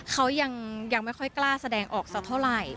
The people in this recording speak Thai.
เขายังไม่ค่อยกล้าแสดงออกสักเท่าไหร่